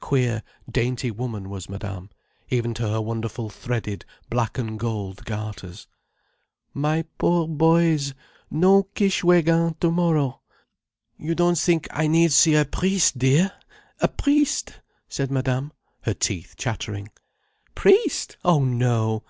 Queer, dainty woman, was Madame, even to her wonderful threaded black and gold garters. "My poor boys—no Kishwégin tomorrow! You don't think I need see a priest, dear? A priest!" said Madame, her teeth chattering. "Priest! Oh no!